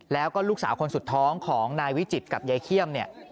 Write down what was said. แล้วก็ลูกสาวคนสุดท้องของนายวิจิฐกับไยเคียม